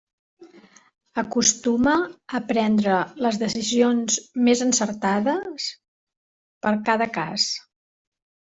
Acostuma a prendre les decisions més encertades per cada cas.